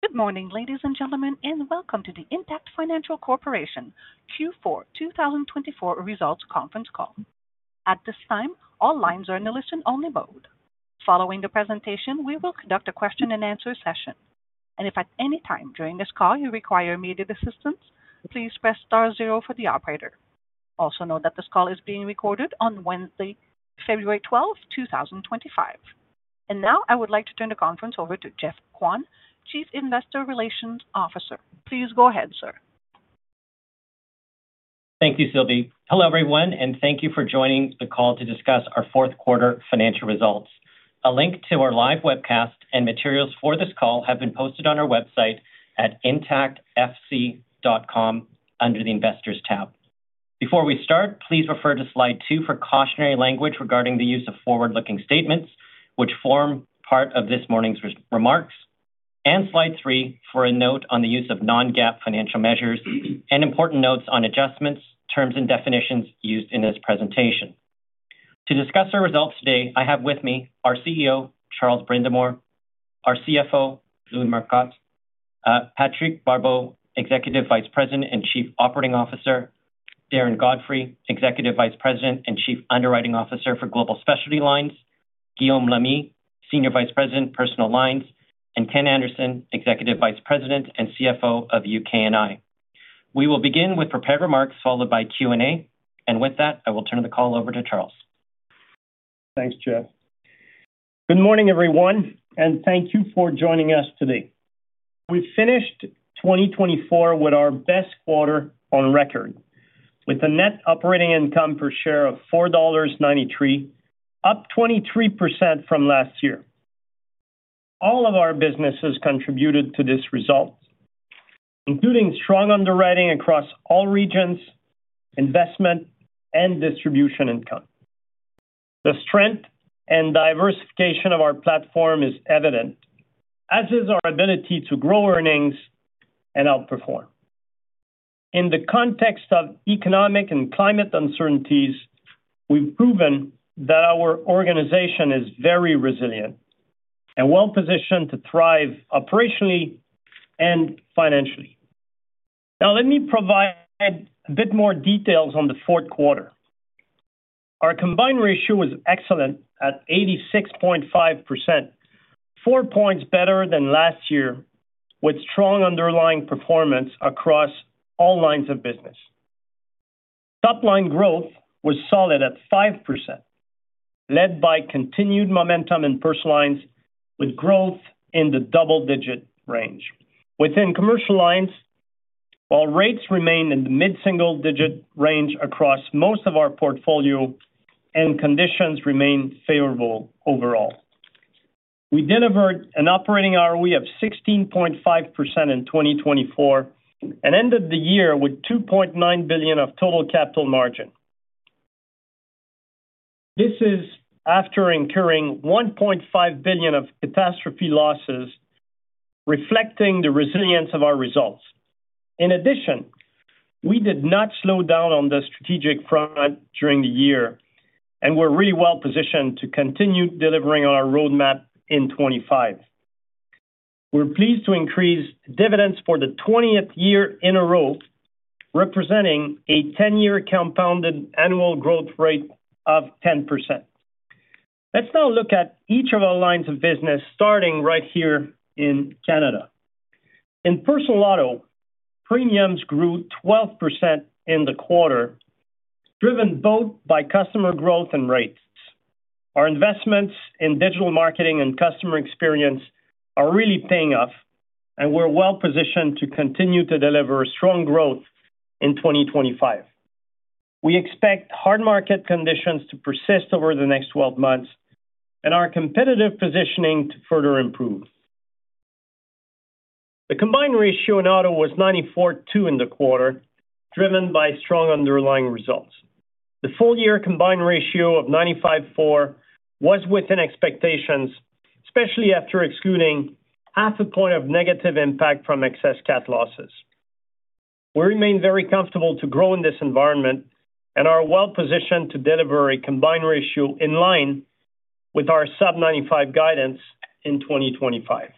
Good morning, ladies and gentlemen, and welcome to the Intact Financial Corporation Q4 2024 results conference call. At this time, all lines are in the listen-only mode. Following the presentation, we will conduct a question-and-answer session. And if at any time during this call you require immediate assistance, please press star zero for the operator. Also note that this call is being recorded on Wednesday, February 12, 2025. And now I would like to turn the conference over to Geoff Kwan, Chief Investor Relations Officer. Please go ahead, sir. Thank you, Sylvie. Hello, everyone, and thank you for joining the call to discuss our fourth quarter financial results. A link to our live webcast and materials for this call have been posted on our website at intactfc.com under the Investors tab. Before we start, please refer to slide two for cautionary language regarding the use of forward-looking statements, which form part of this morning's remarks, and slide three for a note on the use of non-GAAP financial measures and important notes on adjustments, terms, and definitions used in this presentation. To discuss our results today, I have with me our CEO, Charles Brindamour, our CFO, Louis Marcotte, Patrick Barbeau, Executive Vice President and Chief Operating Officer, Darren Godfrey, Executive Vice President and Chief Underwriting Officer for Global Specialty Lines, Guillaume Lamy, Senior Vice President, Personal Lines, and Ken Anderson, Executive Vice President and CFO of UK&I. We will begin with prepared remarks followed by Q&A, and with that, I will turn the call over to Charles. Thanks, Geoff. Good morning, everyone, and thank you for joining us today. We finished 2024 with our best quarter on record, with a net operating income per share of 4.93 dollars, up 23% from last year. All of our businesses contributed to this result, including strong underwriting across all regions, investment, and distribution income. The strength and diversification of our platform is evident, as is our ability to grow earnings and outperform. In the context of economic and climate uncertainties, we've proven that our organization is very resilient and well-positioned to thrive operationally and financially. Now, let me provide a bit more details on the fourth quarter. Our combined ratio was excellent at 86.5%, four points better than last year, with strong underlying performance across all lines of business. Top-line growth was solid at 5%, led by continued momentum in personal lines, with growth in the double-digit range. Within commercial lines, while rates remain in the mid-single-digit range across most of our portfolio, conditions remain favorable overall. We delivered an Operating ROE of 16.5% in 2024 and ended the year with 2.9 billion of Total Capital Margin. This is after incurring 1.5 billion of Catastrophe Losses, reflecting the resilience of our results. In addition, we did not slow down on the strategic front during the year and were really well-positioned to continue delivering on our roadmap in 2025. We're pleased to increase dividends for the 20th year in a row, representing a 10-year compounded annual growth rate of 10%. Let's now look at each of our lines of business, starting right here in Canada. In Personal Auto, premiums grew 12% in the quarter, driven both by customer growth and rates. Our investments in digital marketing and customer experience are really paying off, and we're well-positioned to continue to deliver strong growth in 2025. We expect hard market conditions to persist over the next 12 months and our competitive positioning to further improve. The combined ratio in auto was 94.2 in the quarter, driven by strong underlying results. The full-year combined ratio of 95.4 was within expectations, especially after excluding half a point of negative impact from excess cat losses. We remain very comfortable to grow in this environment and are well-positioned to deliver a combined ratio in line with our sub-95 guidance in 2025.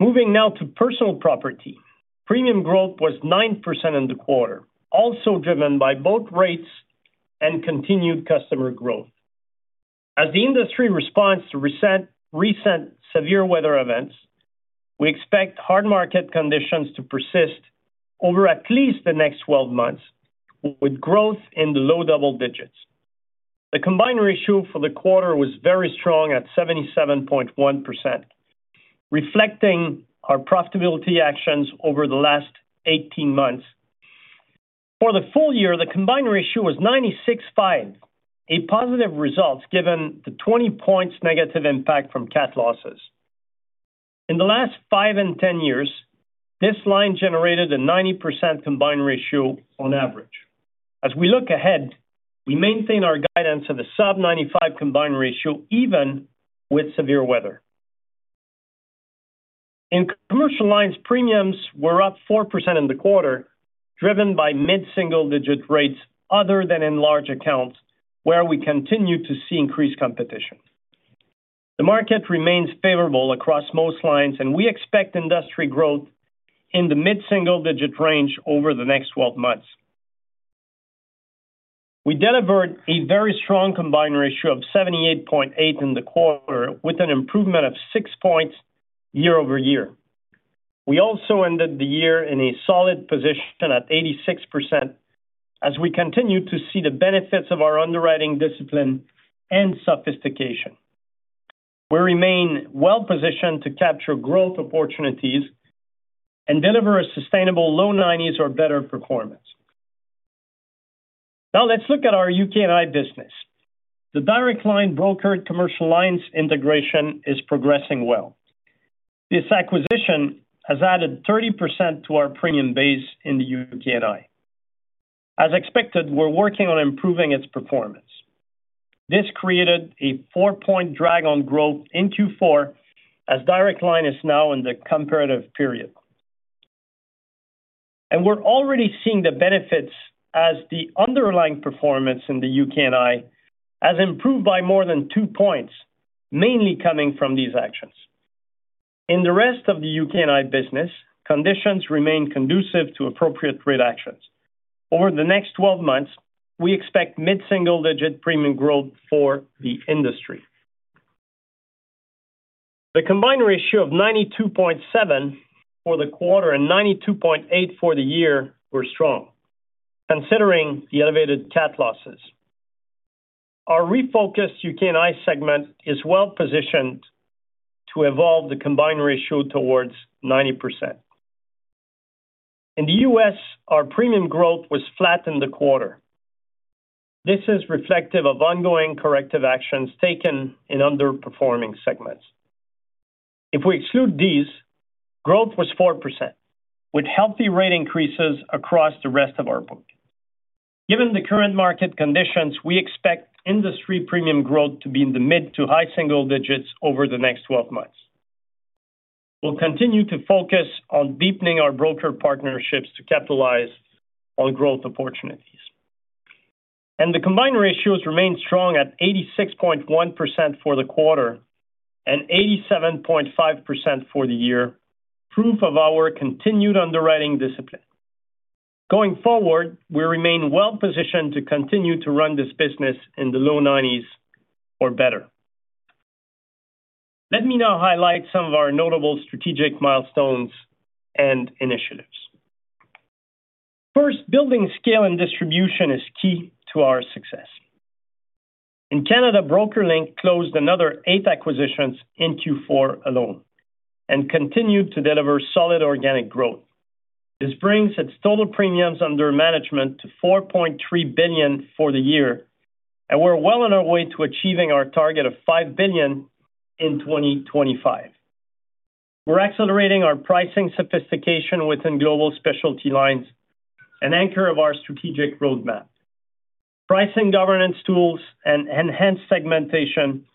Moving now to personal property, premium growth was 9% in the quarter, also driven by both rates and continued customer growth. As the industry responds to recent severe weather events, we expect hard market conditions to persist over at least the next 12 months, with growth in the low double digits. The combined ratio for the quarter was very strong at 77.1%, reflecting our profitability actions over the last 18 months. For the full year, the combined ratio was 96.5%, a positive result given the 20 points negative impact from cat losses. In the last 5 and 10 years, this line generated a 90% combined ratio on average. As we look ahead, we maintain our guidance of a sub-95 combined ratio even with severe weather. In commercial lines, premiums were up 4% in the quarter, driven by mid-single-digit rates other than in large accounts, where we continue to see increased competition. The market remains favorable across most lines, and we expect industry growth in the mid-single-digit range over the next 12 months. We delivered a very strong combined ratio of 78.8 in the quarter, with an improvement of 6 points year over year. We also ended the year in a solid position at 86% as we continue to see the benefits of our underwriting discipline and sophistication. We remain well-positioned to capture growth opportunities and deliver a sustainable low 90s or better performance. Now, let's look at our UK&I business. The Direct Line brokered commercial lines integration is progressing well. This acquisition has added 30% to our premium base in the UK&I. As expected, we're working on improving its performance. This created a four-point drag on growth in Q4 as Direct Line is now in the comparative period. We're already seeing the benefits as the underlying performance in the UK&I has improved by more than two points, mainly coming from these actions. In the rest of the UK&I business, conditions remain conducive to appropriate rate actions. Over the next 12 months, we expect mid-single-digit premium growth for the industry. The combined ratio of 92.7 for the quarter and 92.8 for the year were strong, considering the elevated cat losses. Our refocused UK&I segment is well-positioned to evolve the combined ratio towards 90%. In the U.S., our premium growth was flat in the quarter. This is reflective of ongoing corrective actions taken in underperforming segments. If we exclude these, growth was 4%, with healthy rate increases across the rest of our book. Given the current market conditions, we expect industry premium growth to be in the mid to high single digits over the next 12 months. We'll continue to focus on deepening our broker partnerships to capitalize on growth opportunities, and the combined ratios remain strong at 86.1% for the quarter and 87.5% for the year, proof of our continued underwriting discipline. Going forward, we remain well-positioned to continue to run this business in the low 90s or better. Let me now highlight some of our notable strategic milestones and initiatives. First, building scale and distribution is key to our success. In Canada, BrokerLink closed another eight acquisitions in Q4 alone and continued to deliver solid organic growth. This brings its total premiums under management to 4.3 billion for the year, and we're well on our way to achieving our target of 5 billion in 2025. We're accelerating our pricing sophistication within Global Specialty Lines, an anchor of our strategic roadmap. Pricing governance tools and enhanced segmentation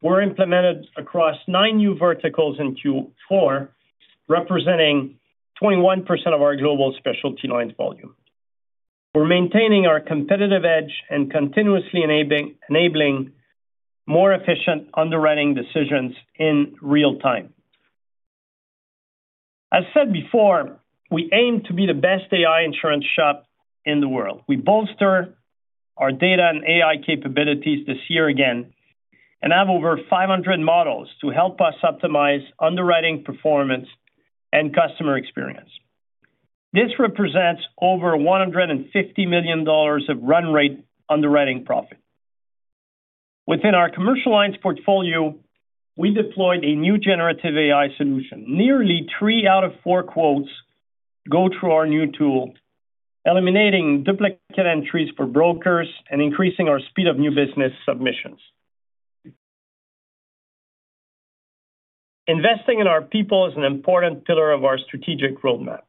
were implemented across nine new verticals in Q4, representing 21% of our Global Specialty Lines volume. We're maintaining our competitive edge and continuously enabling more efficient underwriting decisions in real time. As said before, we aim to be the best AI insurance shop in the world. We bolster our data and AI capabilities this year again and have over 500 models to help us optimize underwriting performance and customer experience. This represents over 150 million dollars of run rate underwriting profit. Within our commercial lines portfolio, we deployed a new generative AI solution. Nearly three out of four quotes go through our new tool, eliminating duplicate entries for brokers and increasing our speed of new business submissions. Investing in our people is an important pillar of our strategic roadmap.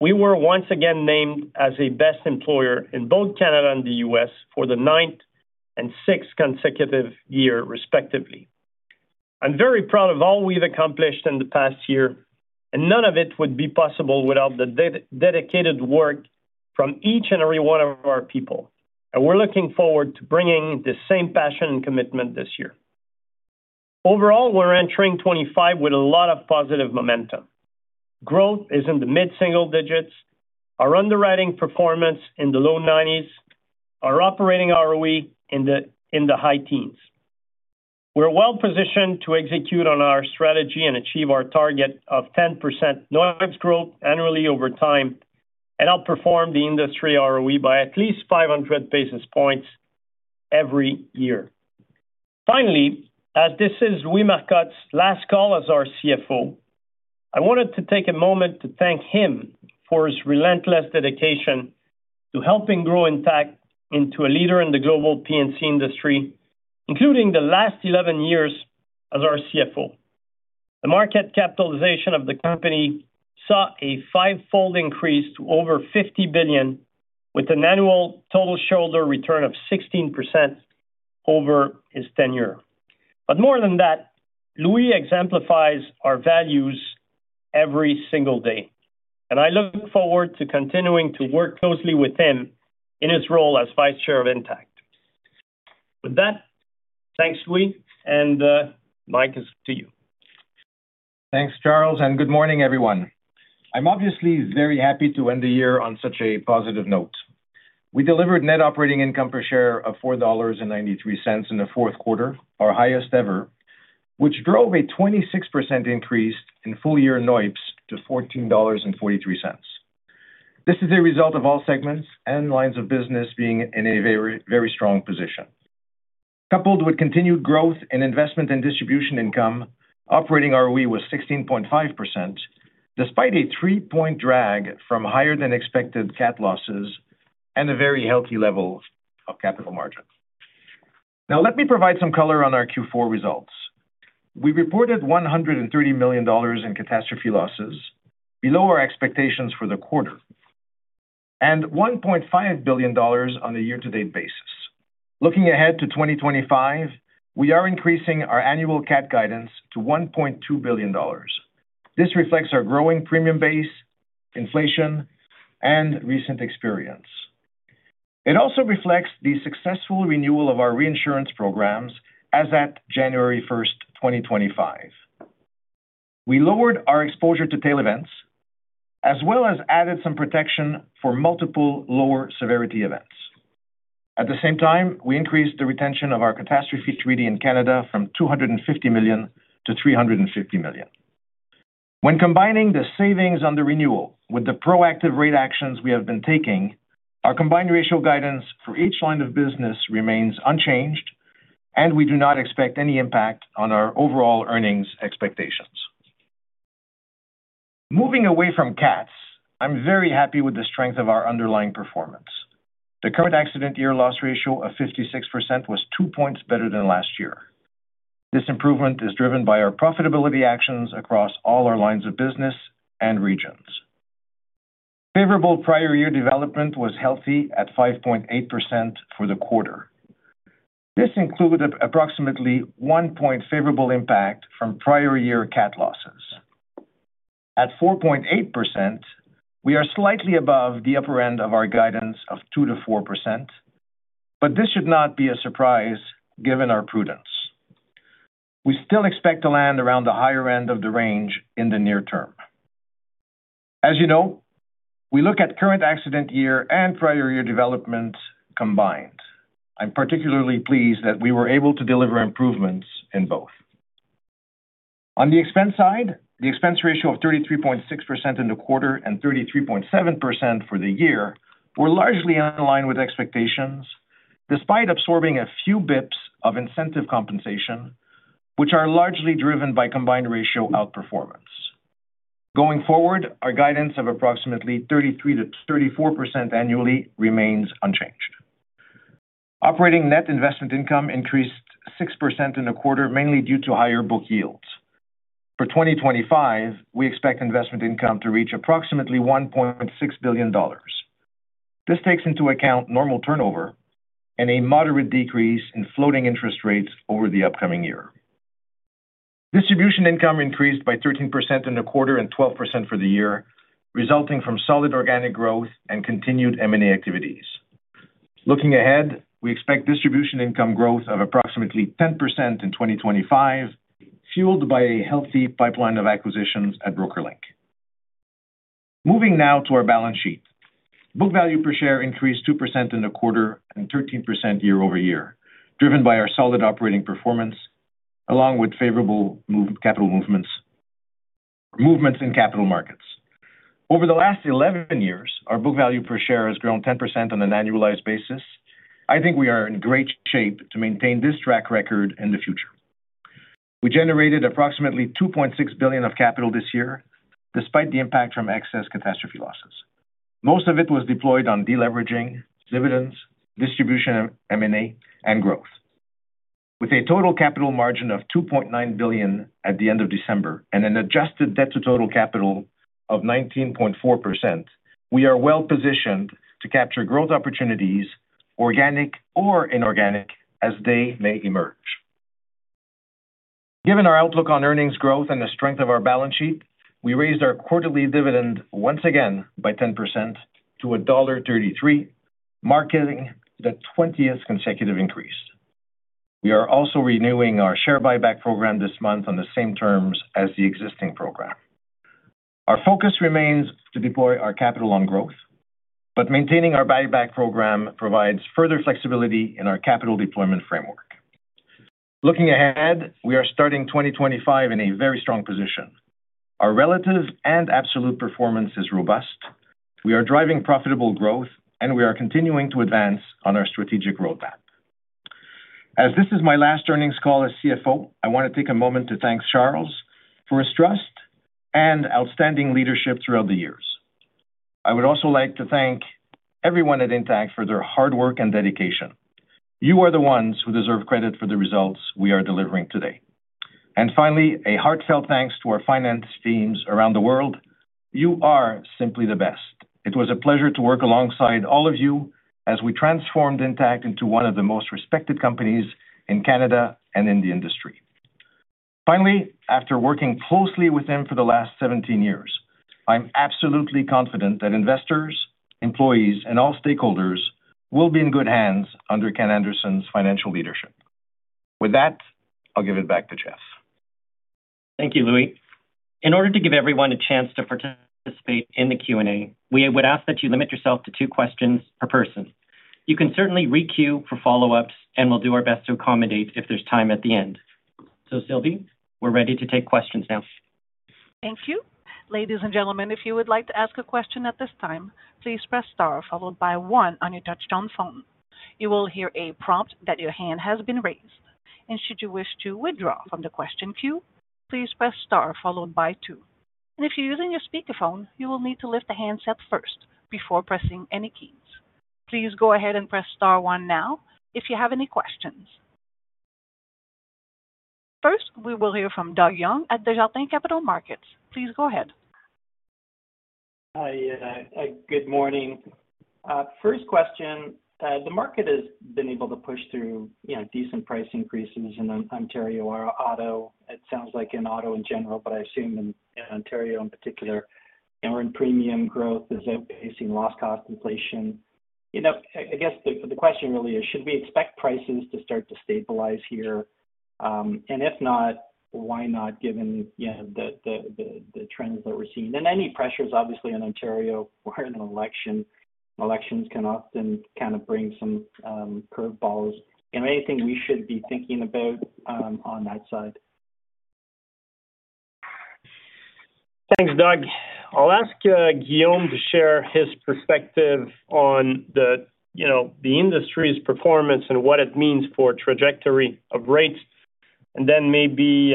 We were once again named as a best employer in both Canada and the U.S. for the ninth and sixth consecutive year, respectively. I'm very proud of all we've accomplished in the past year, and none of it would be possible without the dedicated work from each and every one of our people, and we're looking forward to bringing the same passion and commitment this year. Overall, we're entering 2025 with a lot of positive momentum. Growth is in the mid-single digits, our underwriting performance in the low 90s, our operating ROE in the high teens. We're well-positioned to execute on our strategy and achieve our target of 10% growth annually over time and outperform the industry ROE by at least 500 basis points every year. Finally, as this is Louis Marcotte's last call as our CFO, I wanted to take a moment to thank him for his relentless dedication to helping grow Intact into a leader in the global P&C industry, including the last 11 years as our CFO. The market capitalization of the company saw a fivefold increase to over 50 billion, with an annual total shareholder return of 16% over his tenure. But more than that, Louis exemplifies our values every single day, and I look forward to continuing to work closely with him in his role as Vice Chair of Intact. With that, thanks, Louis, and the mic is to you. Thanks, Charles, and good morning, everyone. I'm obviously very happy to end the year on such a positive note. We delivered net operating income per share of 4.93 dollars in the fourth quarter, our highest ever, which drove a 26% increase in full-year NOIPS to 14.43 dollars. This is a result of all segments and lines of business being in a very strong position. Coupled with continued growth in investment and distribution income, operating ROE was 16.5%, despite a three-point drag from higher-than-expected cat losses and a very healthy level of capital margin. Now, let me provide some color on our Q4 results. We reported 130 million dollars in catastrophe losses, below our expectations for the quarter, and 1.5 billion dollars on a year-to-date basis. Looking ahead to 2025, we are increasing our annual cat guidance to 1.2 billion dollars. This reflects our growing premium base, inflation, and recent experience. It also reflects the successful renewal of our reinsurance programs as at January 1st, 2025. We lowered our exposure to tail events, as well as added some protection for multiple lower severity events. At the same time, we increased the retention of our catastrophe treaty in Canada from 250 million to 350 million. When combining the savings under renewal with the proactive rate actions we have been taking, our combined ratio guidance for each line of business remains unchanged, and we do not expect any impact on our overall earnings expectations. Moving away from cats, I'm very happy with the strength of our underlying performance. The current accident year loss ratio of 56% was two points better than last year. This improvement is driven by our profitability actions across all our lines of business and regions. Favorable prior year development was healthy at 5.8% for the quarter. This included approximately one-point favorable impact from prior year cat losses. At 4.8%, we are slightly above the upper end of our guidance of 2%-4%, but this should not be a surprise given our prudence. We still expect to land around the higher end of the range in the near term. As you know, we look at current accident year and prior year developments combined. I'm particularly pleased that we were able to deliver improvements in both. On the expense side, the expense ratio of 33.6% in the quarter and 33.7% for the year were largely in line with expectations, despite absorbing a few basis points of incentive compensation, which are largely driven by combined ratio outperformance. Going forward, our guidance of approximately 33%-34% annually remains unchanged. Operating net investment income increased 6% in the quarter, mainly due to higher book yields. For 2025, we expect investment income to reach approximately 1.6 billion dollars. This takes into account normal turnover and a moderate decrease in floating interest rates over the upcoming year. Distribution income increased by 13% in the quarter and 12% for the year, resulting from solid organic growth and continued M&A activities. Looking ahead, we expect distribution income growth of approximately 10% in 2025, fueled by a healthy pipeline of acquisitions at BrokerLink. Moving now to our balance sheet, book value per share increased 2% in the quarter and 13% year over year, driven by our solid operating performance along with favorable capital movements in capital markets. Over the last 11 years, our book value per share has grown 10% on an annualized basis. I think we are in great shape to maintain this track record in the future. We generated approximately 2.6 billion of capital this year, despite the impact from excess catastrophe losses. Most of it was deployed on deleveraging, dividends, distribution of M&A, and growth. With a total capital margin of 2.9 billion at the end of December and an adjusted debt to total capital of 19.4%, we are well-positioned to capture growth opportunities, organic or inorganic, as they may emerge. Given our outlook on earnings growth and the strength of our balance sheet, we raised our quarterly dividend once again by 10% to CAD 1.33, marking the 20th consecutive increase. We are also renewing our share buyback program this month on the same terms as the existing program. Our focus remains to deploy our capital on growth, but maintaining our buyback program provides further flexibility in our capital deployment framework. Looking ahead, we are starting 2025 in a very strong position. Our relative and absolute performance is robust. We are driving profitable growth, and we are continuing to advance on our strategic roadmap. As this is my last earnings call as CFO, I want to take a moment to thank Charles for his trust and outstanding leadership throughout the years. I would also like to thank everyone at Intact for their hard work and dedication. You are the ones who deserve credit for the results we are delivering today. And finally, a heartfelt thanks to our finance teams around the world. You are simply the best. It was a pleasure to work alongside all of you as we transformed Intact into one of the most respected companies in Canada and in the industry. Finally, after working closely with them for the last 17 years, I'm absolutely confident that investors, employees, and all stakeholders will be in good hands under Ken Anderson's financial leadership. With that, I'll give it back to Geoff. Thank you, Louis. In order to give everyone a chance to participate in the Q&A, we would ask that you limit yourself to two questions per person. You can certainly re-queue for follow-ups, and we'll do our best to accommodate if there's time at the end. So, Sylvie, we're ready to take questions now. Thank you. Ladies and gentlemen, if you would like to ask a question at this time, please press star followed by one on your touch-tone phone. You will hear a prompt that your hand has been raised, and should you wish to withdraw from the question queue, please press star followed by two. And if you're using your speakerphone, you will need to lift the handset first before pressing any keys. Please go ahead and press star one now if you have any questions. First, we will hear from Doug Young at Desjardins Capital Markets. Please go ahead. Hi, good morning. First question, the market has been able to push through decent price increases in Ontario auto. It sounds like in auto in general, but I assume in Ontario in particular, and we're in premium growth as they're facing loss cost inflation. I guess the question really is, should we expect prices to start to stabilize here? And if not, why not, given the trends that we're seeing? And any pressures, obviously, in Ontario or in an election. Elections can often kind of bring some curveballs. Anything we should be thinking about on that side? Thanks, Doug. I'll ask Guillaume to share his perspective on the industry's performance and what it means for trajectory of rates. And then maybe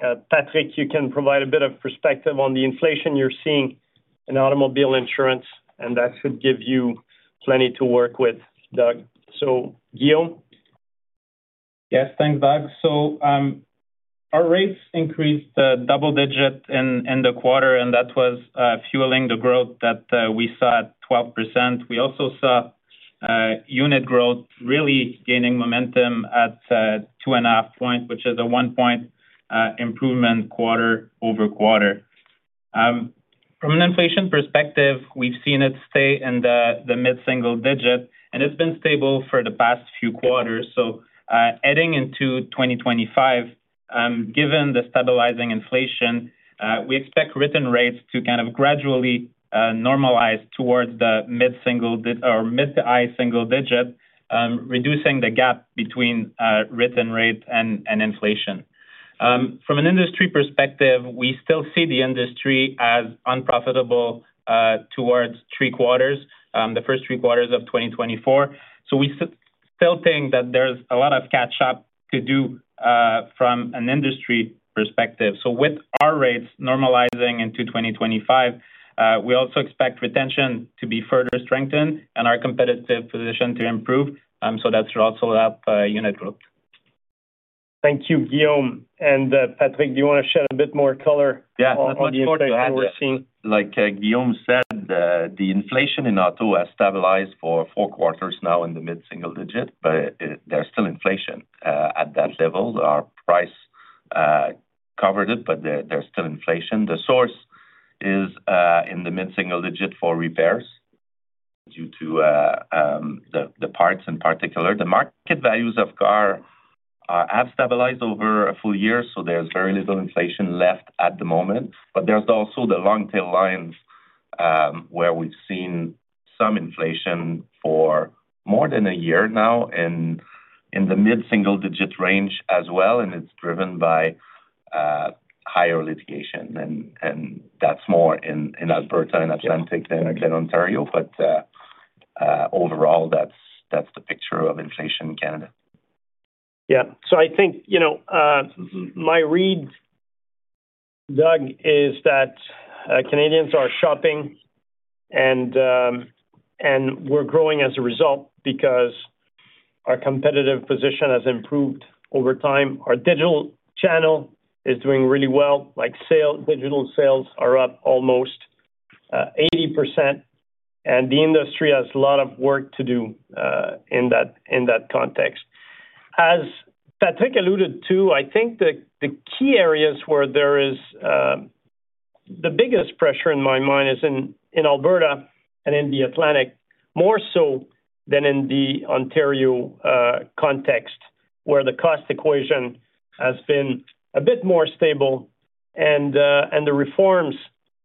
Patrick, you can provide a bit of perspective on the inflation you're seeing in automobile insurance, and that should give you plenty to work with, Doug. So, Guillaume? Yes, thanks, Doug. So our rates increased double-digit in the quarter, and that was fueling the growth that we saw at 12%. We also saw unit growth really gaining momentum at two and a half points, which is a one-point improvement quarter over quarter. From an inflation perspective, we've seen it stay in the mid-single digit, and it's been stable for the past few quarters. So heading into 2025, given the stabilizing inflation, we expect written rates to kind of gradually normalize towards the mid to high single digit, reducing the gap between written rate and inflation. From an industry perspective, we still see the industry as unprofitable towards three quarters, the first three quarters of 2024. So we still think that there's a lot of catch-up to do from an industry perspective. So with our rates normalizing into 2025, we also expect retention to be further strengthened and our competitive position to improve. So that should also help unit growth. Thank you, Guillaume. And Patrick, do you want to shed a bit more color on what you're seeing? Like Guillaume said, the inflation in auto has stabilized for four quarters now in the mid-single digit, but there's still inflation at that level. Our price covered it, but there's still inflation. The source is in the mid-single digit for repairs due to the parts in particular. The market values of car have stabilized over a full year, so there's very little inflation left at the moment. But there's also the long-tail lines where we've seen some inflation for more than a year now in the mid-single digit range as well, and it's driven by higher litigation. And that's more in Alberta and Atlantic than in Ontario. But overall, that's the picture of inflation in Canada. Yeah. So I think my read, Doug, is that Canadians are shopping, and we're growing as a result because our competitive position has improved over time. Our digital channel is doing really well. Digital sales are up almost 80%, and the industry has a lot of work to do in that context. As Patrick alluded to, I think the key areas where there is the biggest pressure in my mind is in Alberta and in the Atlantic, more so than in the Ontario context, where the cost equation has been a bit more stable, and the reforms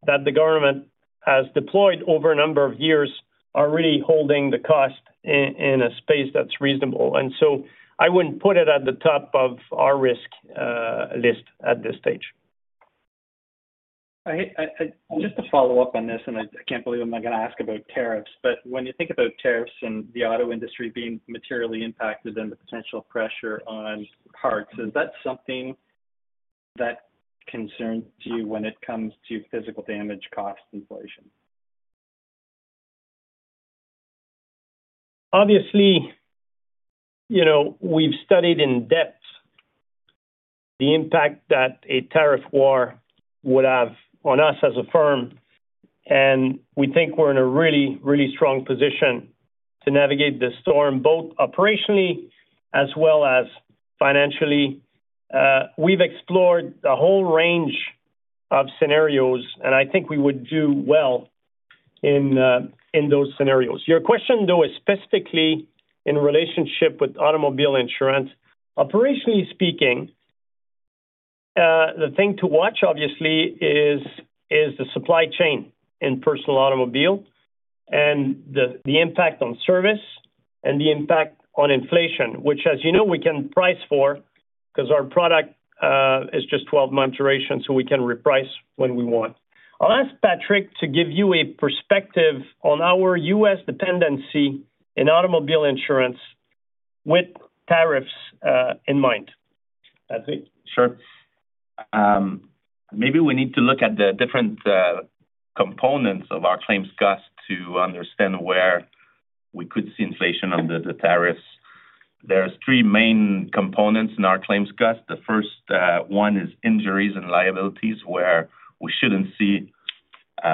that the government has deployed over a number of years are really holding the cost in a space that's reasonable, and so I wouldn't put it at the top of our risk list at this stage. Just to follow up on this, and I can't believe I'm not going to ask about tariffs, but when you think about tariffs and the auto industry being materially impacted and the potential pressure on parts, is that something that concerns you when it comes to physical damage cost inflation? Obviously, we've studied in depth the impact that a tariff war would have on us as a firm, and we think we're in a really, really strong position to navigate the storm both operationally as well as financially. We've explored a whole range of scenarios, and I think we would do well in those scenarios. Your question, though, is specifically in relationship with automobile insurance. Operationally speaking, the thing to watch, obviously, is the supply chain in personal automobile and the impact on service and the impact on inflation, which, as you know, we can price for because our product is just 12-month duration, so we can reprice when we want. I'll ask Patrick to give you a perspective on our U.S. dependency in automobile insurance with tariffs in mind. Patrick? Sure. Maybe we need to look at the different components of our claims cost to understand where we could see inflation under the tariffs. There are three main components in our claims cost. The first one is injuries and liabilities, where we shouldn't see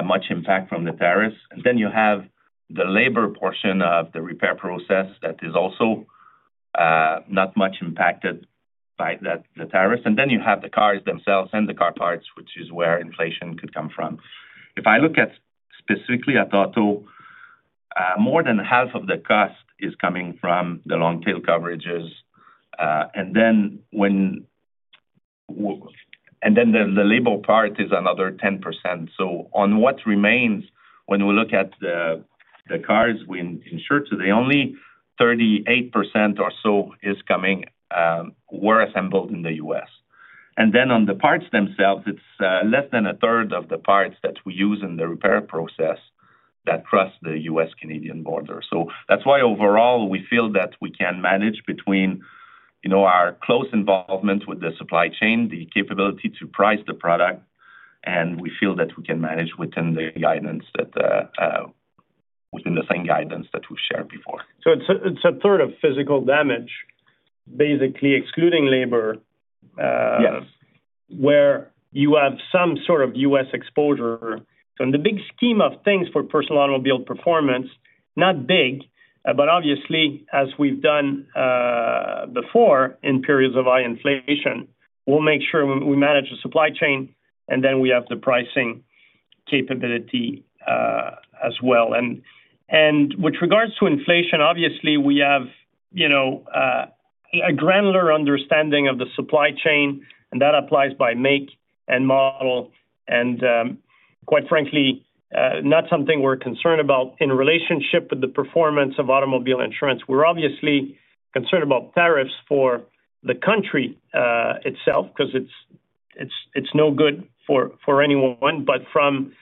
much impact from the tariffs, and then you have the labor portion of the repair process that is also not much impacted by the tariffs, and then you have the cars themselves and the car parts, which is where inflation could come from. If I look specifically at auto, more than half of the cost is coming from the long-tail coverages. And then the labor part is another 10%. So on what remains, when we look at the cars we insure, only 38% or so were assembled in the U.S. Then on the parts themselves, it's less than a third of the parts that we use in the repair process that cross the U.S.-Canadian border. That's why overall we feel that we can manage between our close involvement with the supply chain, the capability to price the product, and we feel that we can manage within the same guidance that we've shared before. So it's a third of physical damage, basically excluding labor, where you have some sort of U.S. exposure. So in the big scheme of things for personal automobile performance, not big, but obviously, as we've done before in periods of high inflation, we'll make sure we manage the supply chain, and then we have the pricing capability as well. And with regards to inflation, obviously, we have a granular understanding of the supply chain, and that applies by make and model. And quite frankly, not something we're concerned about in relationship with the performance of automobile insurance. We're obviously concerned about tariffs for the country itself because it's no good for anyone. But from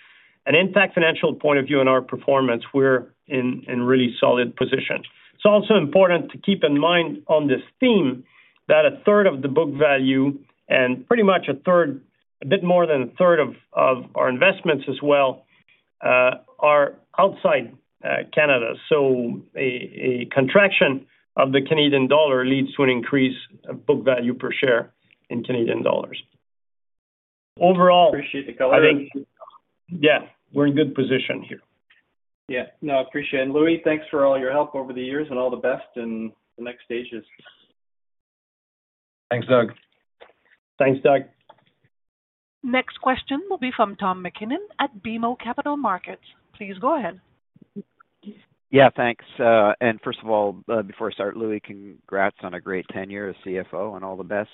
an impact financial point of view and our performance, we're in really solid position. It's also important to keep in mind on this theme that a third of the book value and pretty much a third, a bit more than a third of our investments as well, are outside Canada. So a contraction of the Canadian dollar leads to an increase of book value per share in Canadian dollars. Overall. Appreciate the collaboration. Yeah, we're in good position here. Yeah. No, I appreciate it. And Louis, thanks for all your help over the years and all the best in the next stages. Thanks, Doug. Thanks, Doug. Next question will be from Tom McKinnon at BMO Capital Markets. Please go ahead. Yeah, thanks. And first of all, before I start, Louis, congrats on a great tenure as CFO and all the best.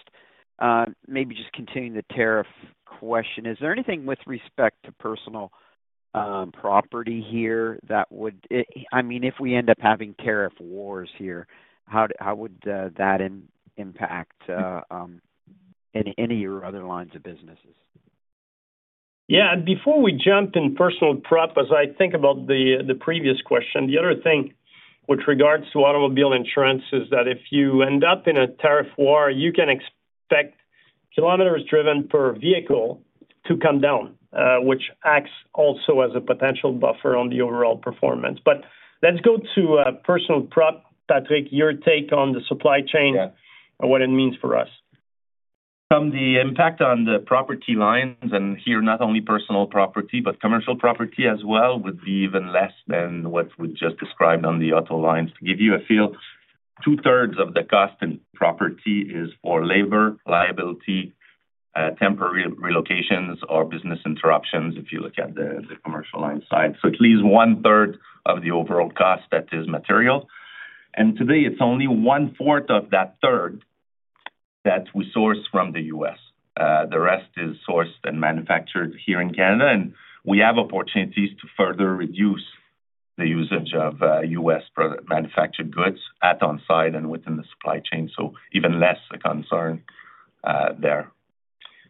Maybe just continuing the tariff question, is there anything with respect to personal property here that would, I mean, if we end up having tariff wars here, how would that impact any of your other lines of businesses? Yeah. And before we jump in personal prop, as I think about the previous question, the other thing with regards to automobile insurance is that if you end up in a tariff war, you can expect kilometers driven per vehicle to come down, which acts also as a potential buffer on the overall performance. But let's go to personal prop, Patrick, your take on the supply chain and what it means for us. From the impact on the property lines, and here not only personal property, but commercial property as well, would be even less than what we just described on the auto lines. To give you a feel, two-thirds of the cost in property is for labor, liability, temporary relocations, or business interruptions if you look at the commercial line side. So at least one-third of the overall cost that is material. And today, it's only one-fourth of that third that we source from the U.S. The rest is sourced and manufactured here in Canada, and we have opportunities to further reduce the usage of U.S. manufactured goods on-site and within the supply chain. So even less a concern there.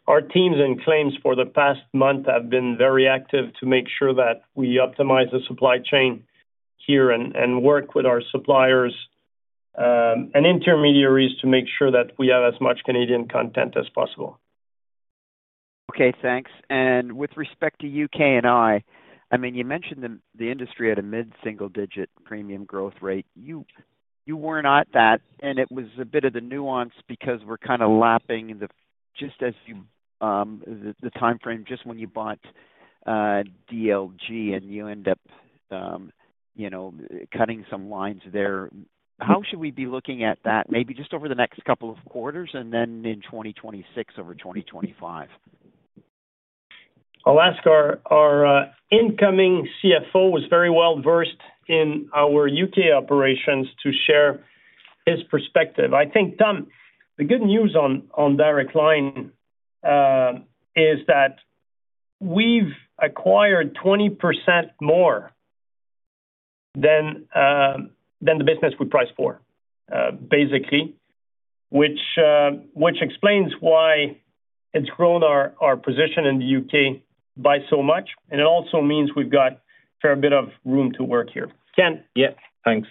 Our teams in claims for the past month have been very active to make sure that we optimize the supply chain here and work with our suppliers and intermediaries to make sure that we have as much Canadian content as possible. Okay, thanks. With respect to UK&I, I mean, you mentioned the industry at a mid-single-digit premium growth rate. You were not at that, and it was a bit of the nuance because we're kind of lapping the timeframe just when you bought DLG, and you end up cutting some lines there. How should we be looking at that, maybe just over the next couple of quarters and then in 2026 over 2025? I'll ask our incoming CFO who is very well-versed in our U.K. operations to share his perspective. I think, Tom, the good news on direct line is that we've acquired 20% more than the business would price for, basically, which explains why it's grown our position in the U.K. by so much. And it also means we've got a fair bit of room to work here. Ken. Yeah, thanks,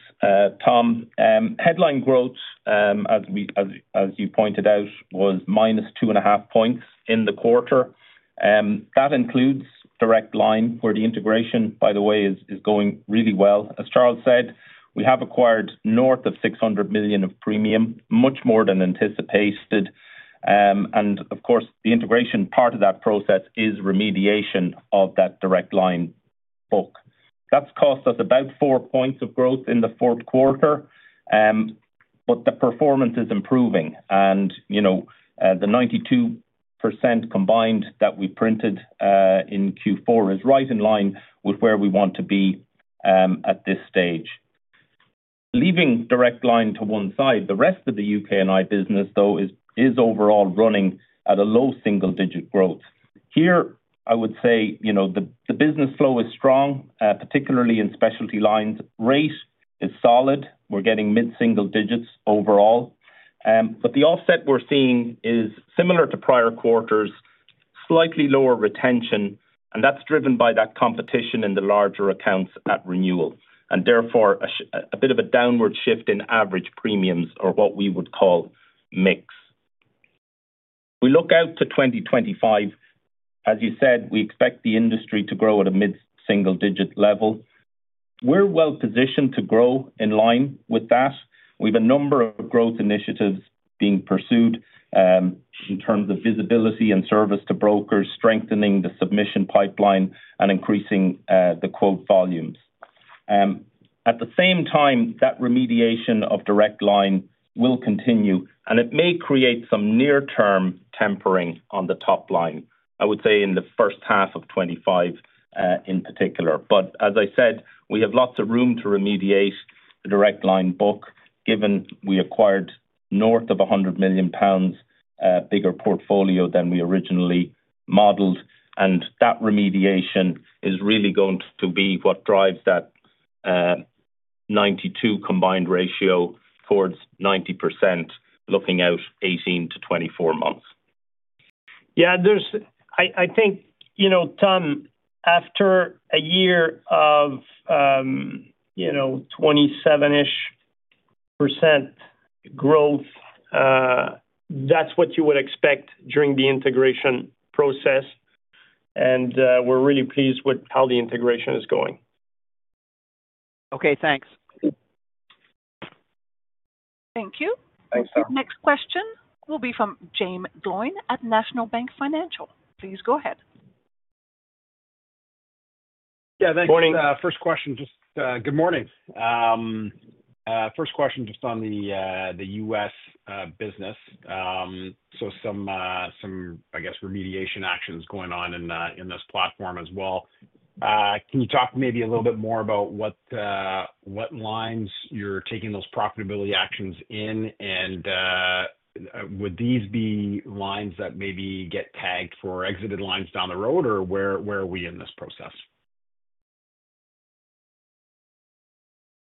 Tom. Headline growth, as you pointed out, was minus 2.5 points in the quarter. That includes Direct Line, where the integration, by the way, is going really well. As Charles said, we have acquired north of 600 million of premium, much more than anticipated, and of course, the integration part of that process is remediation of that Direct Line book. That's cost us about 4 points of growth in the fourth quarter, but the performance is improving, and the 92% combined that we printed in Q4 is right in line with where we want to be at this stage. Leaving Direct Line to one side, the rest of the UK&I business, though, is overall running at a low single-digit growth. Here, I would say the business flow is strong, particularly in specialty lines. Rate is solid. We're getting mid-single digits overall. But the offset we're seeing is similar to prior quarters: slightly lower retention, and that's driven by that competition in the larger accounts at renewal. And therefore, a bit of a downward shift in average premiums or what we would call mix. We look out to 2025. As you said, we expect the industry to grow at a mid-single digit level. We're well-positioned to grow in line with that. We have a number of growth initiatives being pursued in terms of visibility and service to brokers, strengthening the submission pipeline and increasing the quote volumes. At the same time, that remediation of Direct Line will continue, and it may create some near-term tempering on the top line, I would say in the first half of 2025 in particular. But as I said, we have lots of room to remediate the Direct Line book given we acquired north of 100 million pounds bigger portfolio than we originally modeled. And that remediation is really going to be what drives that 92% combined ratio towards 90% looking out 18-24 months. Yeah, I think, Tom, after a year of 27-ish% growth, that's what you would expect during the integration process. And we're really pleased with how the integration is going. Okay, thanks. Thank you. Thanks, Tom. Next question will be from Jaeme Gloyn at National Bank Financial. Please go ahead. Yeah, thanks. Morning. First question, just good morning. First question just on the U.S. business. So some, I guess, remediation actions going on in this platform as well. Can you talk maybe a little bit more about what lines you're taking those profitability actions in? And would these be lines that maybe get tagged for exited lines down the road, or where are we in this process?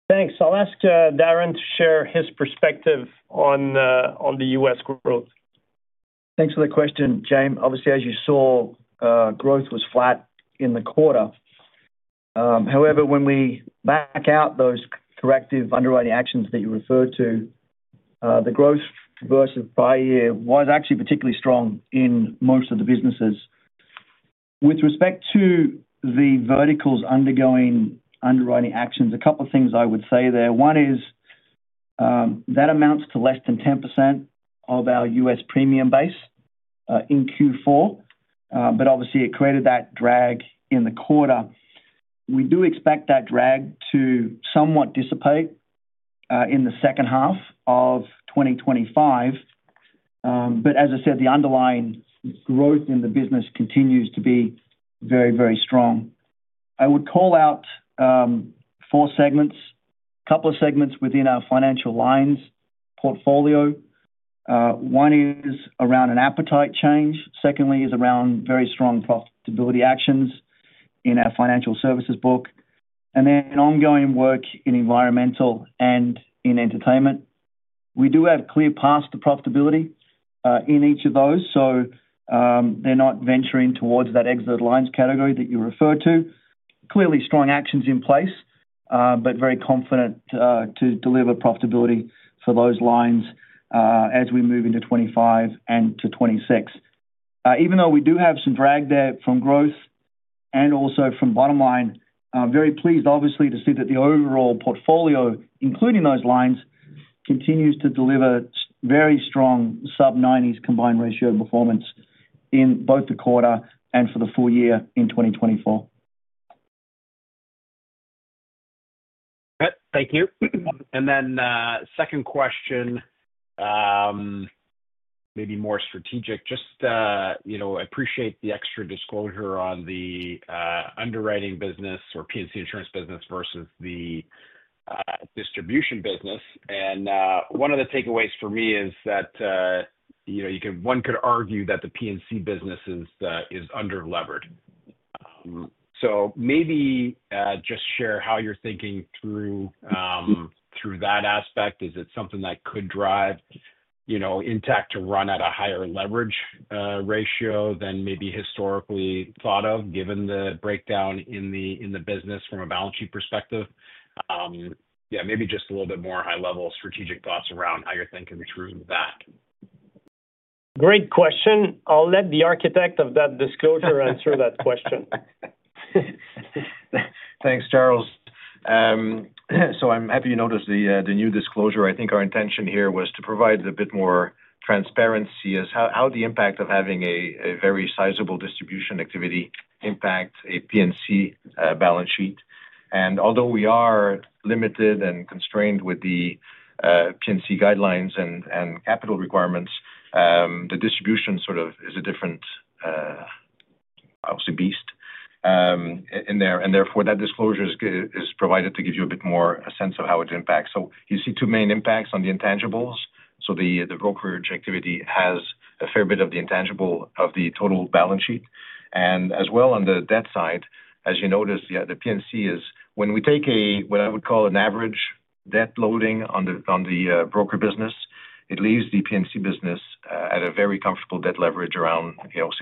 Thanks. I'll ask Darren to share his perspective on the U.S. growth. Thanks for the question, Jaeme. Obviously, as you saw, growth was flat in the quarter. However, when we back out those corrective underwriting actions that you referred to, the growth versus prior year was actually particularly strong in most of the businesses. With respect to the verticals undergoing underwriting actions, a couple of things I would say there. One is that amounts to less than 10% of our U.S. premium base in Q4, but obviously, it created that drag in the quarter. We do expect that drag to somewhat dissipate in the second half of 2025. But as I said, the underlying growth in the business continues to be very, very strong. I would call out four segments, a couple of segments within our financial lines portfolio. One is around an appetite change. Secondly is around very strong profitability actions in our financial services book. And then ongoing work in environmental and in entertainment. We do have clear paths to profitability in each of those. So they're not venturing towards that exit lines category that you referred to. Clearly, strong actions in place, but very confident to deliver profitability for those lines as we move into 2025 and to 2026. Even though we do have some drag there from growth and also from bottom line, I'm very pleased, obviously, to see that the overall portfolio, including those lines, continues to deliver very strong sub-90s combined ratio performance in both the quarter and for the full year in 2024. Thank you. And then second question, maybe more strategic. Just appreciate the extra disclosure on the underwriting business or P&C insurance business versus the distribution business. And one of the takeaways for me is that one could argue that the P&C business is under-levered. So maybe just share how you're thinking through that aspect. Is it something that could drive Intact to run at a higher leverage ratio than maybe historically thought of, given the breakdown in the business from a balance sheet perspective? Yeah, maybe just a little bit more high-level strategic thoughts around how you're thinking through that. Great question. I'll let the architect of that disclosure answer that question. Thanks, Charles. So I'm happy you noticed the new disclosure. I think our intention here was to provide a bit more transparency as to how the impact of having a very sizable distribution activity impacts a P&C balance sheet. And although we are limited and constrained with the P&C guidelines and capital requirements, the distribution sort of is a different, obviously, beast in there. And therefore, that disclosure is provided to give you a bit more a sense of how it impacts. So you see two main impacts on the intangibles. So the brokerage activity has a fair bit of the intangible of the total balance sheet. And as well on the debt side, as you notice, the P&C is when we take a what I would call an average debt loading on the broker business, it leaves the P&C business at a very comfortable debt leverage around 16%.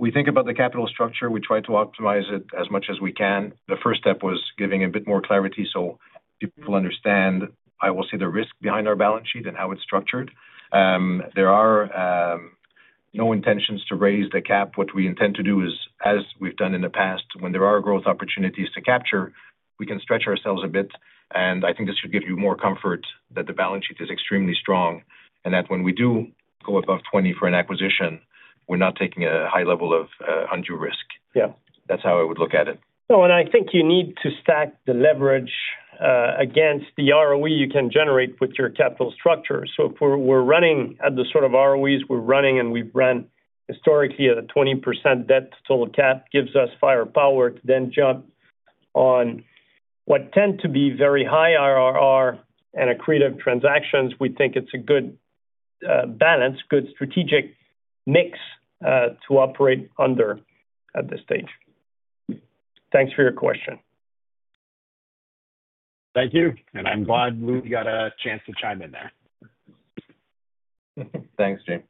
We think about the capital structure. We try to optimize it as much as we can. The first step was giving a bit more clarity so people understand, I will say, the risk behind our balance sheet and how it's structured. There are no intentions to raise the cap. What we intend to do is, as we've done in the past, when there are growth opportunities to capture, we can stretch ourselves a bit. I think this should give you more comfort that the balance sheet is extremely strong and that when we do go above 20 for an acquisition, we're not taking a high level of undue risk. Yeah, that's how I would look at it. No, and I think you need to stack the leverage against the ROE you can generate with your capital structure. So if we're running at the sort of ROEs we're running and we've run historically at a 20% debt total cap, it gives us firepower to then jump on what tend to be very IRR and accretive transactions. We think it's a good balance, good strategic mix to operate under at this stage. Thanks for your question. Thank you. And I'm glad we got a chance to chime in there. Thanks, James.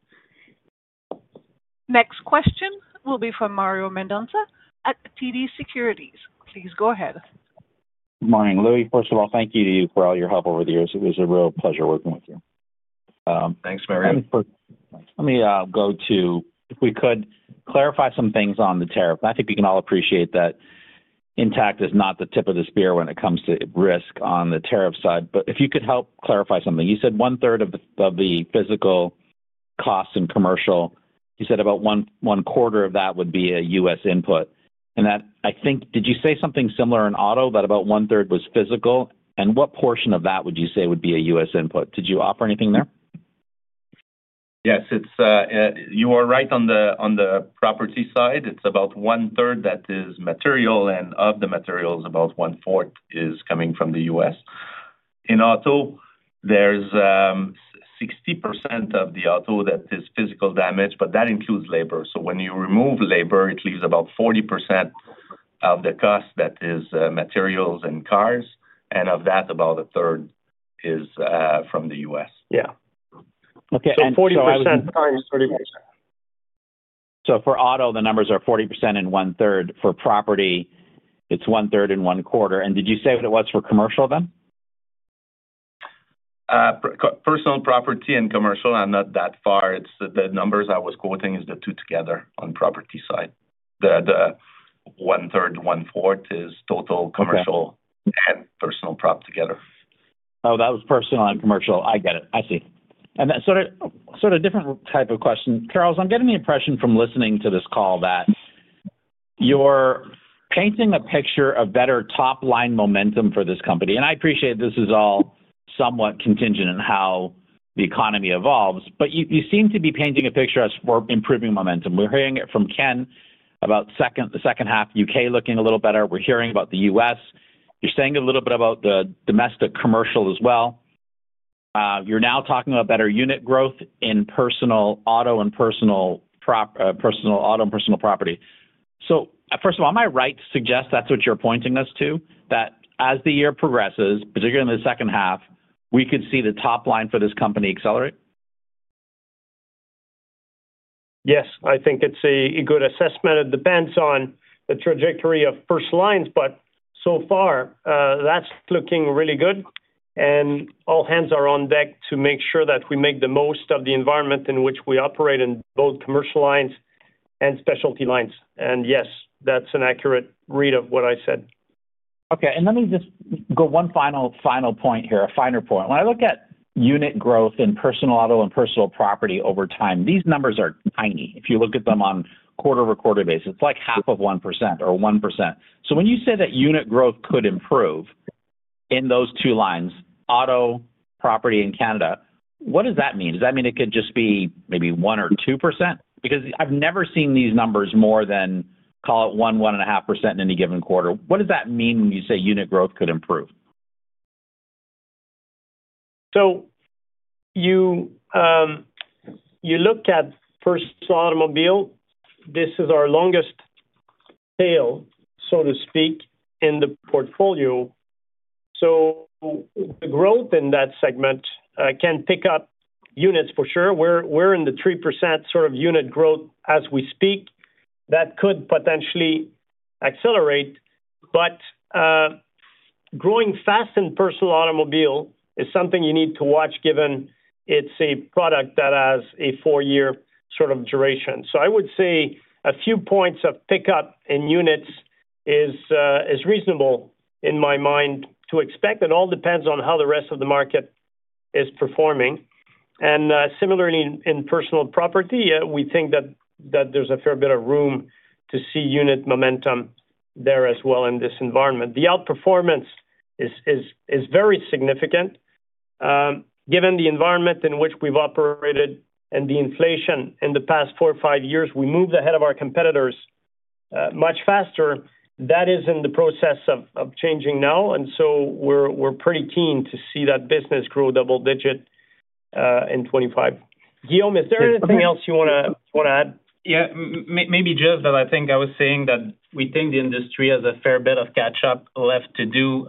Next question will be from Mario Mendonça at TD Securities. Please go ahead. Good morning, Louis. First of all, thank you to you for all your help over the years. It was a real pleasure working with you. Thanks, Mario. Let me go to if we could clarify some things on the tariff. I think we can all appreciate that Intact is not the tip of the spear when it comes to risk on the tariff side. But if you could help clarify something. You said one-third of the physical costs in commercial. You said about one-quarter of that would be a U.S. input. I think did you say something similar in auto that about one-third was physical? What portion of that would you say would be a U.S. input? Did you offer anything there? Yes, you are right on the property side. It's about one-third that is material. And of the materials, about one-fourth is coming from the U.S. In auto, there's 60% of the auto that is physical damage, but that includes labor. So when you remove labor, it leaves about 40% of the cost that is materials and cars. And of that, about a third is from the U.S. Yeah. Okay, so 40%. For auto, the numbers are 40% and one-third. For property, it's one-third and one-quarter. Did you say what it was for commercial then? Personal property and commercial are not that far. The numbers I was quoting are the two together on property side. The one-third, one-fourth is total commercial and personal prop together. Oh, that was personal and commercial. I get it. I see. And sort of a different type of question. Charles, I'm getting the impression from listening to this call that you're painting a picture of better top-line momentum for this company. And I appreciate this is all somewhat contingent on how the economy evolves. But you seem to be painting a picture of improving momentum. We're hearing it from Ken about the second half, U.K. looking a little better. We're hearing about the U.S. You're saying a little bit about the domestic commercial as well. You're now talking about better unit growth in personal auto and personal property. So first of all, am I right to suggest that's what you're pointing us to? That as the year progresses, particularly in the second half, we could see the top line for this company accelerate? Yes, I think it's a good assessment. It depends on the trajectory of first lines. But so far, that's looking really good. And all hands are on deck to make sure that we make the most of the environment in which we operate in both commercial lines and specialty lines. And yes, that's an accurate read of what I said. Okay. And let me just go one final point here, a finer point. When I look at unit growth in personal auto and personal property over time, these numbers are tiny. If you look at them on quarter-over-quarter basis, it's like half of 1% or 1%. So when you say that unit growth could improve in those two lines, auto, property, and Canada, what does that mean? Does that mean it could just be maybe 1% or 2%? Because I've never seen these numbers more than, call it, 1%-1.5% in any given quarter. What does that mean when you say unit growth could improve? So you look at personal automobile. This is our longest tail, so to speak, in the portfolio. So the growth in that segment can pick up units for sure. We're in the 3% sort of unit growth as we speak. That could potentially accelerate. But growing fast in personal automobile is something you need to watch given it's a product that has a four-year sort of duration. So I would say a few points of pickup in units is reasonable in my mind to expect. It all depends on how the rest of the market is performing. And similarly, in personal property, we think that there's a fair bit of room to see unit momentum there as well in this environment. The outperformance is very significant. Given the environment in which we've operated and the inflation in the past four or five years, we moved ahead of our competitors much faster. That is in the process of changing now. And so we're pretty keen to see that business grow double-digit in 2025. Guillaume, is there anything else you want to add? Yeah, maybe just that I think I was saying that we think the industry has a fair bit of catch-up left to do.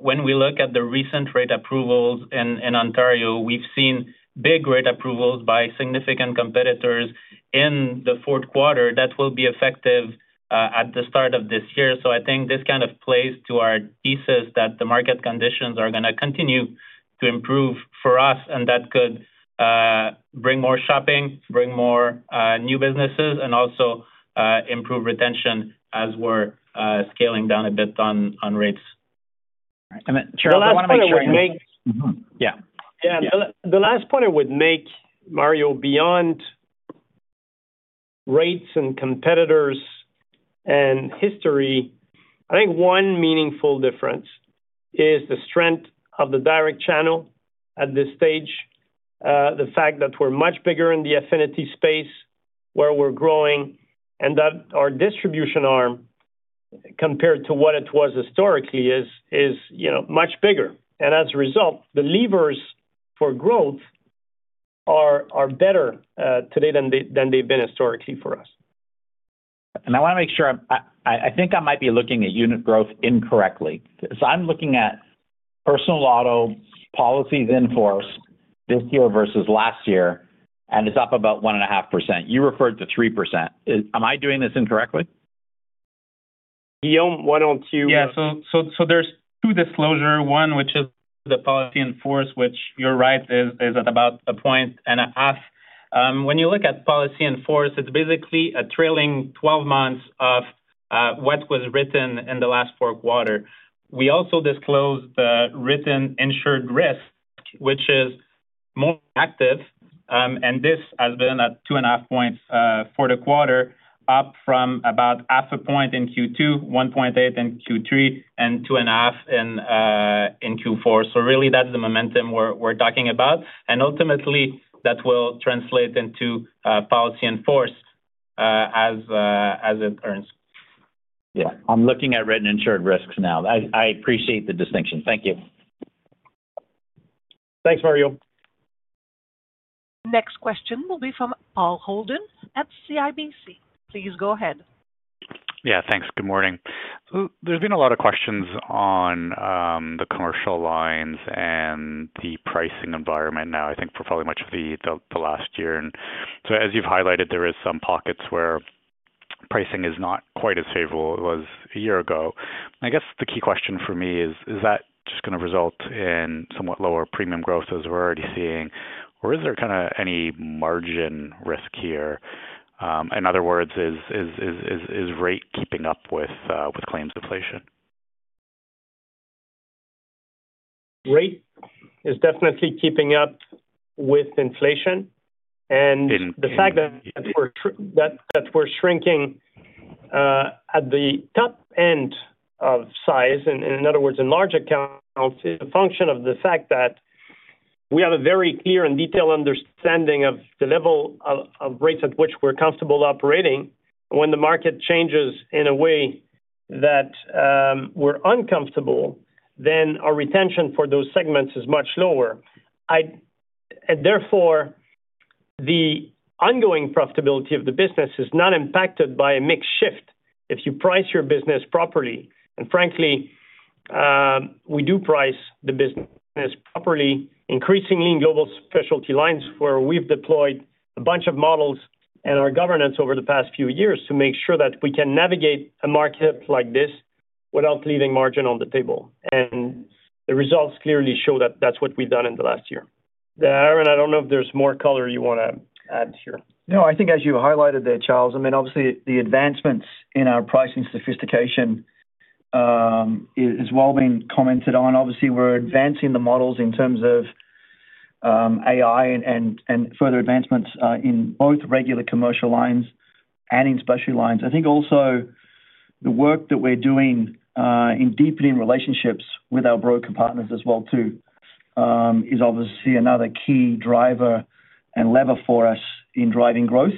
When we look at the recent rate approvals in Ontario, we've seen big rate approvals by significant competitors in the fourth quarter that will be effective at the start of this year. So I think this kind of plays to our thesis that the market conditions are going to continue to improve for us. And that could bring more shopping, bring more new businesses, and also improve retention as we're scaling down a bit on rates. And then Charles, I want to make sure. The last point I would make, Mario, beyond rates and competitors and history, I think one meaningful difference is the strength of the direct channel at this stage, the fact that we're much bigger in the affinity space where we're growing, and that our distribution arm compared to what it was historically is much bigger, and as a result, the levers for growth are better today than they've been historically for us. I want to make sure I think I might be looking at unit growth incorrectly. I'm looking at personal auto policies in force this year versus last year, and it's up about 1.5%. You referred to 3%. Am I doing this incorrectly? Guillaume, why don't you? Yeah. So there's two disclosures. One, which is the policy in force, which you're right is at about a point and a half. When you look at policy in force, it's basically a trailing 12 months of what was written in the last four quarters. We also disclose the written insured risk, which is more active. And this has been at two and a half points for the quarter, up from about half a point in Q2, 1.8 in Q3, and two and a half in Q4. So really, that's the momentum we're talking about. And ultimately, that will translate into policy in force as it earns. Yeah. I'm looking at written insured risks now. I appreciate the distinction. Thank you. Thanks, Mario. Next question will be from Paul Holden at CIBC. Please go ahead. Yeah, thanks. Good morning. So there's been a lot of questions on the commercial lines and the pricing environment now, I think, for probably much of the last year. And so as you've highlighted, there are some pockets where pricing is not quite as favorable as a year ago. I guess the key question for me is, is that just going to result in somewhat lower premium growth as we're already seeing, or is there kind of any margin risk here? In other words, is rate keeping up with claims inflation? Rate is definitely keeping up with inflation, and the fact that we're shrinking at the top end of size, in other words, in large accounts, is a function of the fact that we have a very clear and detailed understanding of the level of rates at which we're comfortable operating, and when the market changes in a way that we're uncomfortable, then our retention for those segments is much lower, and therefore, the ongoing profitability of the business is not impacted by a mixed shift if you price your business properly. And frankly, we do price the business properly increasingly in global specialty lines where we've deployed a bunch of models and our governance over the past few years to make sure that we can navigate a market like this without leaving margin on the table, and the results clearly show that that's what we've done in the last year. Darren, I don't know if there's more color you want to add here. No, I think as you highlighted that, Charles, I mean, obviously, the advancements in our pricing sophistication is well being commented on. Obviously, we're advancing the models in terms of AI and further advancements in both regular commercial lines and in specialty lines. I think also the work that we're doing in deepening relationships with our broker partners as well too is obviously another key driver and lever for us in driving growth,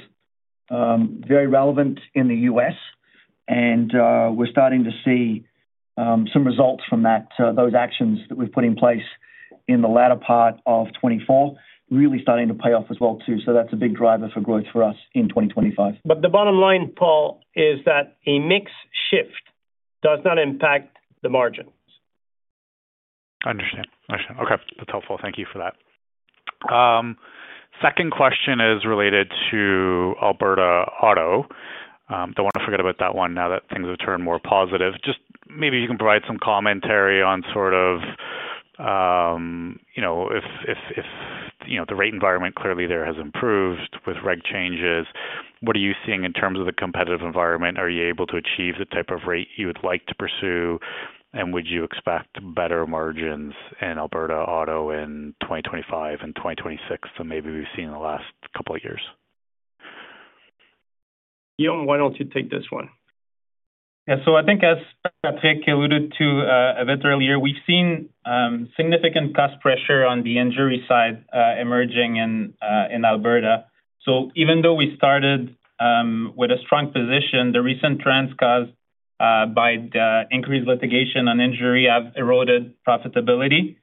very relevant in the U.S., and we're starting to see some results from those actions that we've put in place in the latter part of 2024, really starting to pay off as well too, so that's a big driver for growth for us in 2025. But the bottom line, Paul, is that a mixed shift does not impact the margins. I understand. Okay. That's helpful. Thank you for that. Second question is related to Alberta auto. Don't want to forget about that one now that things have turned more positive. Just maybe you can provide some commentary on sort of if the rate environment clearly there has improved with reg changes, what are you seeing in terms of the competitive environment? Are you able to achieve the type of rate you would like to pursue? And would you expect better margins in Alberta auto in 2025 and 2026 than maybe we've seen in the last couple of years? Guillaume, why don't you take this one? Yeah. So I think, as Patrick alluded to a bit earlier, we've seen significant cost pressure on the injury side emerging in Alberta. So even though we started with a strong position, the recent trends caused by the increased litigation on injury have eroded profitability.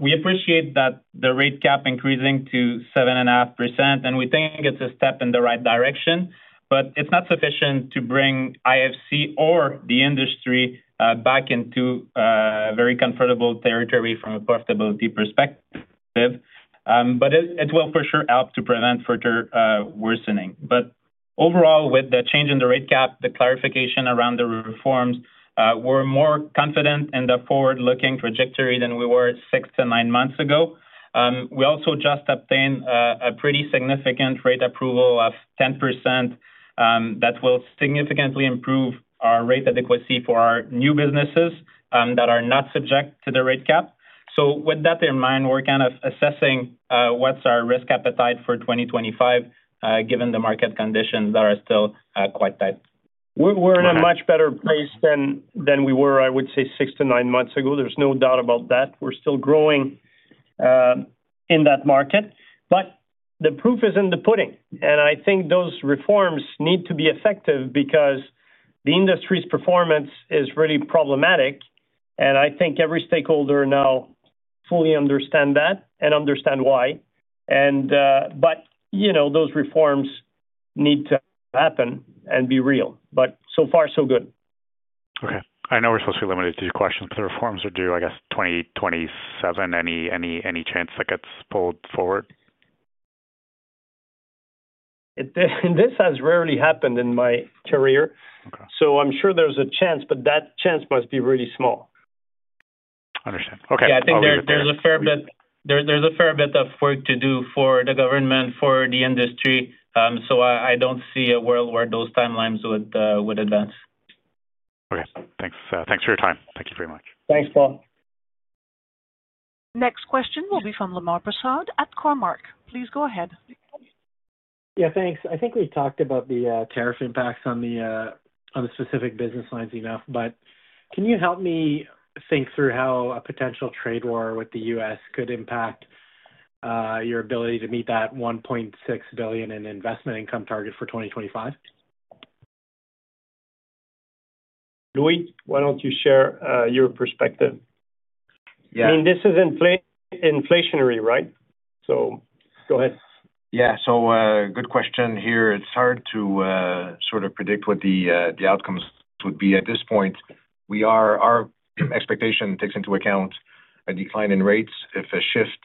We appreciate that the rate cap increasing to 7.5%, and we think it's a step in the right direction. But it's not sufficient to bring IFC or the industry back into very comfortable territory from a profitability perspective. But it will for sure help to prevent further worsening. But overall, with the change in the rate cap, the clarification around the reforms, we're more confident in the forward-looking trajectory than we were six to nine months ago. We also just obtained a pretty significant rate approval of 10% that will significantly improve our rate adequacy for our new businesses that are not subject to the rate cap. So with that in mind, we're kind of assessing what's our risk appetite for 2025 given the market conditions that are still quite tight. We're in a much better place than we were, I would say, six to nine months ago. There's no doubt about that. We're still growing in that market. But the proof is in the pudding. And I think those reforms need to be effective because the industry's performance is really problematic. And I think every stakeholder now fully understands that and understands why. But those reforms need to happen and be real. But so far, so good. Okay. I know we're supposed to be limited to questions, but the reforms are due, I guess, 2027. Any chance that gets pulled forward? This has rarely happened in my career. So I'm sure there's a chance, but that chance must be really small. I understand. Okay. Thank you. Yeah, I think there's a fair bit of work to do for the government, for the industry. So I don't see a world where those timelines would advance. Okay. Thanks for your time. Thank you very much. Thanks, Paul. Next question will be from Lemar Persaud at Cormark. Please go ahead. Yeah, thanks. I think we've talked about the tariff impacts on the specific business lines enough. But can you help me think through how a potential trade war with the U.S. could impact your ability to meet that 1.6 billion in investment income target for 2025? Louis, why don't you share your perspective? I mean, this is inflationary, right? So go ahead. Yeah. So good question here. It's hard to sort of predict what the outcomes would be at this point. Our expectation takes into account a decline in rates. If a shift,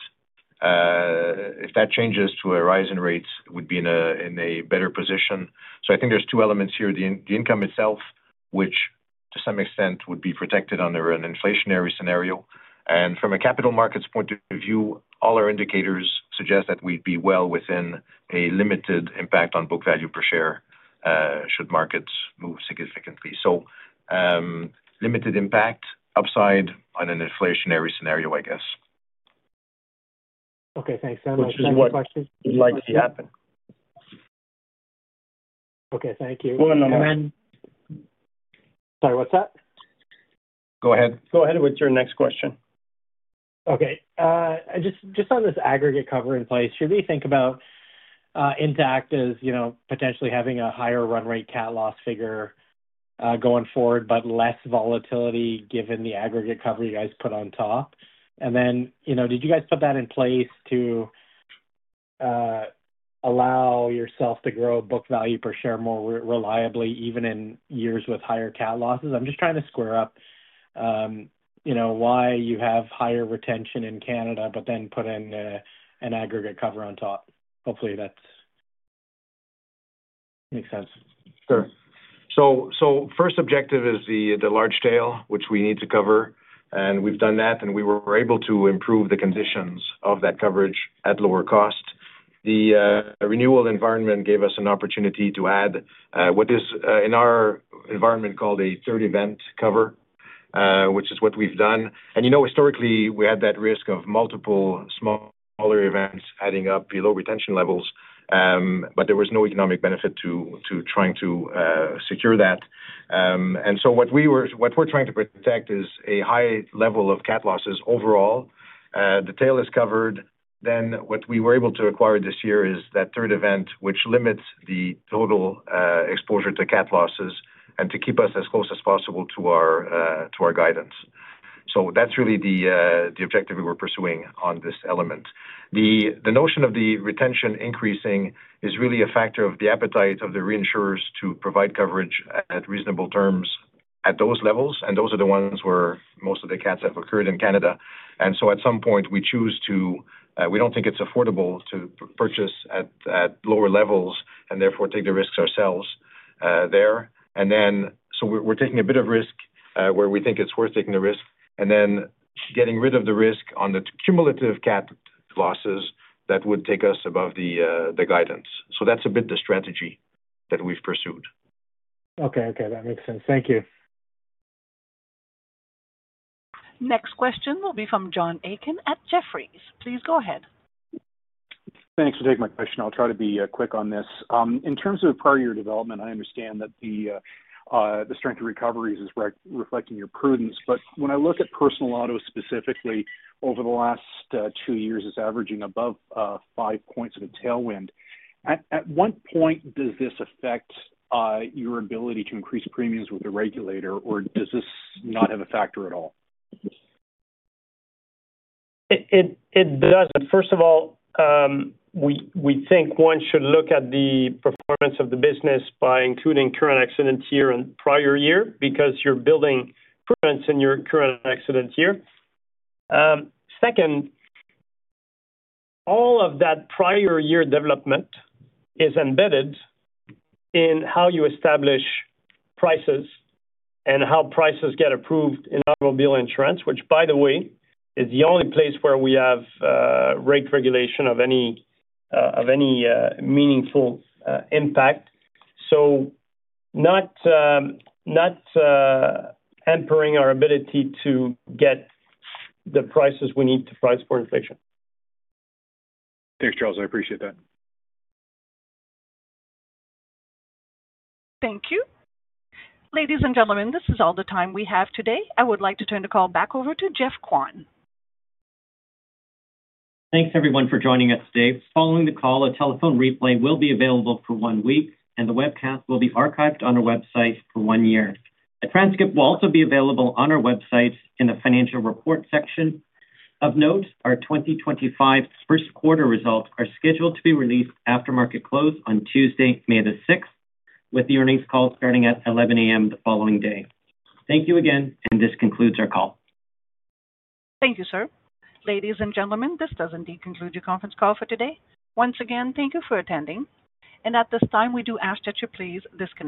if that changes to a rise in rates, we'd be in a better position. So I think there's two elements here. The income itself, which to some extent would be protected under an inflationary scenario. And from a capital markets point of view, all our indicators suggest that we'd be well within a limited impact on book value per share should markets move significantly. So limited impact, upside on an inflationary scenario, I guess. Okay. Thanks so much. Which is what you'd like to happen. Okay. Thank you. Well, Lemar? Sorry, what's that? Go ahead. Go ahead with your next question. Okay. Just on this aggregate cover in place, should we think about Intact as potentially having a higher run rate cat loss figure going forward, but less volatility given the aggregate cover you guys put on top? And then did you guys put that in place to allow yourself to grow book value per share more reliably even in years with higher cat loss? I'm just trying to square up why you have higher retention in Canada, but then put in an aggregate cover on top. Hopefully, that makes sense. Sure. So first objective is the large tail, which we need to cover. And we've done that. And we were able to improve the conditions of that coverage at lower cost. The renewal environment gave us an opportunity to add what is in our environment called a third event cover, which is what we've done. And historically, we had that risk of multiple smaller events adding up below retention levels, but there was no economic benefit to trying to secure that. And so what we're trying to protect is a high level of cat losses overall. The tail is covered. Then what we were able to acquire this year is that third event, which limits the total exposure to cat losses and to keep us as close as possible to our guidance. So that's really the objective we were pursuing on this element. The notion of the retention increasing is really a factor of the appetite of the reinsurers to provide coverage at reasonable terms at those levels, and those are the ones where most of the cats have occurred in Canada, and so at some point, we don't think it's affordable to purchase at lower levels and therefore take the risks ourselves there, and then so we're taking a bit of risk where we think it's worth taking the risk and then getting rid of the risk on the cumulative cat losses that would take us above the guidance, so that's a bit the strategy that we've pursued. Okay. Okay. That makes sense. Thank you. Next question will be from John Aiken at Jefferies. Please go ahead. Thanks for taking my question. I'll try to be quick on this. In terms of prior year development, I understand that the strength of recoveries is reflecting your prudence. But when I look at personal auto specifically, over the last two years, it's averaging above five points of a tailwind. At what point does this affect your ability to increase premiums with the regulator, or does this not have a factor at all? It does. First of all, we think one should look at the performance of the business by including current accident year and prior year because you're building provisions in your current accident year. Second, all of that prior year development is embedded in how you establish prices and how prices get approved in automobile insurance, which, by the way, is the only place where we have rate regulation of any meaningful impact. So not hampering our ability to get the prices we need to price for inflation. Thanks, Charles. I appreciate that. Thank you. Ladies and gentlemen, this is all the time we have today. I would like to turn the call back over to Geoff Kwan. Thanks, everyone, for joining us today. Following the call, a telephone replay will be available for one week, and the webcast will be archived on our website for one year. A transcript will also be available on our website in the financial report section. Of note, our 2025 first quarter results are scheduled to be released after market close on Tuesday, May the 6th, with the earnings call starting at 11:00 A.M. the following day. Thank you again, and this concludes our call. Thank you, sir. Ladies and gentlemen, this does indeed conclude your conference call for today. Once again, thank you for attending. And at this time, we do ask that you please disconnect.